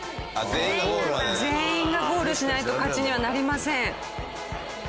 全員がゴールしないと勝ちにはなりません。